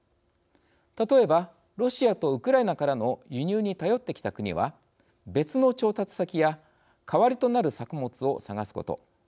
例えばロシアとウクライナからの輸入に頼ってきた国は別の調達先や代わりとなる作物を探すこと。